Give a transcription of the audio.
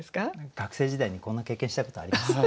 学生時代にこんな経験したことありますね。